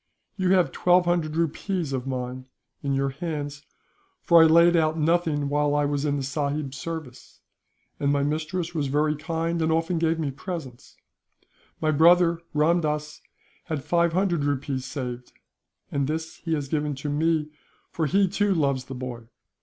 You have twelve hundred rupees of mine, in your hands; for I laid out nothing while I was in the sahib's service, and my mistress was very kind, and often gave me presents. My brother, Ramdass, had five hundred rupees saved; and this he has given to me, for he, too, loves the boy.